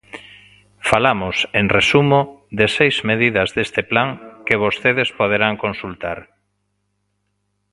Falamos, en resumo, de seis medidas deste plan, que vostedes poderán consultar.